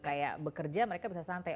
kayak bekerja mereka bisa santai